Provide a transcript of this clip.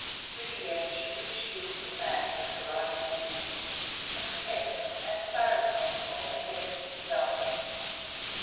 To the end she would shield the man with her own dignity, and protect him as far as possible even against himself.